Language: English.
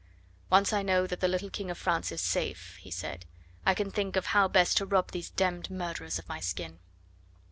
"Once I know that the little King of France is safe," he said, "I can think of how best to rob those d d murderers of my skin."